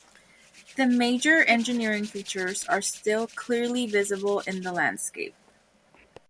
The major engineering features are still clearly visible in the landscape.